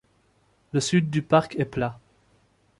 Le sud du parc est plat.